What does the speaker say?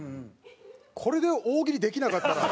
これで大喜利できなかったら。